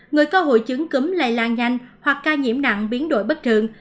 người có hội chứng cứ lây lan nhanh hoặc ca nhiễm nặng biến đổi bất thường